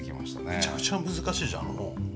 めちゃくちゃ難しいじゃんあの本。